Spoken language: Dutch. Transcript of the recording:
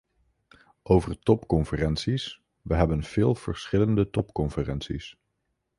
Over topconferenties: we hebben veel verschillende topconferenties.